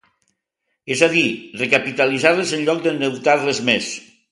És a dir, recapitalitzar-les en lloc d’endeutar-les més.